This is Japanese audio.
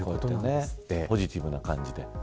ポジティブな感じで。